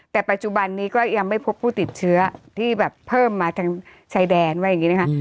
แต่ปัจจุบันนี้ก็ยังไม่พบผู้ติดเชื้อที่แบบเพิ่มมาทางชายแดนว่าอย่างนี้นะคะ